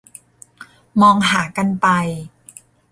มองหากันไป